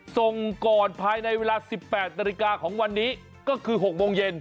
ส่งก่อนภายในเวลา๑๘นาฬิกาของวันนี้ก็คือ๖โมงเย็น